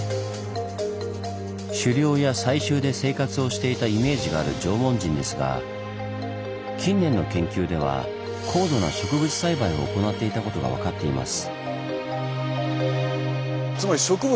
狩猟や採集で生活をしていたイメージがある縄文人ですが近年の研究では高度な植物栽培を行っていたことが分かっています。